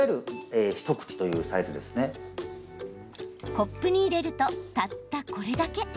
コップに入れるとたったこれだけ。